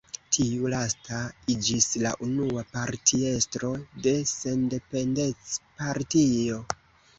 Tiu lasta iĝis la unua partiestro de Sendependecpartio.